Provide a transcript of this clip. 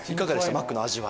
マックの味は。